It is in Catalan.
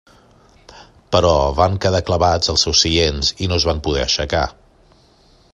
Però van quedar clavats als seus seients i no es van poder aixecar.